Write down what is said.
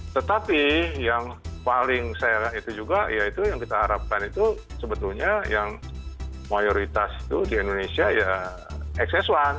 tetapi yang paling saya itu juga ya itu yang kita harapkan itu sebetulnya yang mayoritas itu di indonesia ya xs satu